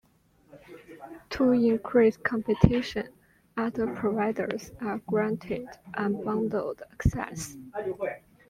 To increase competition, other providers are granted unbundled access.